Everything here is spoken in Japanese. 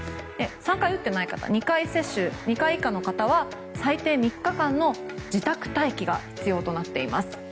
３回打っていない方２回以下の方は最低３日間の自宅待機が必要となっています。